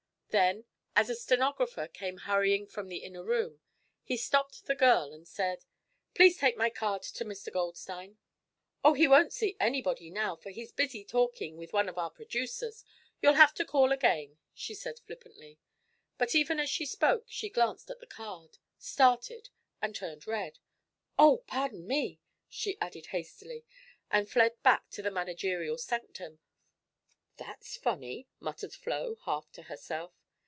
Then, as a stenographer came hurrying from the inner room, he stopped the girl and said: "Please take my card to Mr. Goldstein." "Oh, he won't see anybody now, for he's busy talking with one of our producers. You'll have to call again," she said flippantly. But even as she spoke she glanced at the card, started and turned red. "Oh, pardon me!" she added hastily and fled back to the managerial sanctum. "That's funny!" muttered Flo, half to herself.